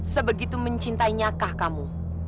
sebegitu mencintai nyakah kamu